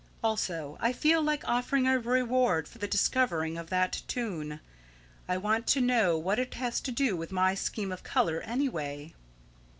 Also I feel like offering a reward for the discovery of that tune. I want to know what it has to do with my scheme of colour, anyway."